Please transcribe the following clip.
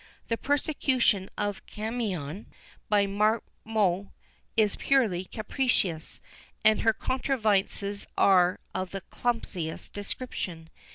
The persecution of Camion by Marmotte is purely capricious, and her contrivances are of the clumsiest description.